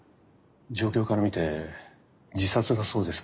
状況から見て自殺だそうです。